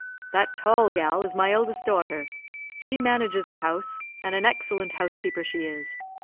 "That tall gal is my eldest daughter; she manages the house, and an excellent housekeeper she is.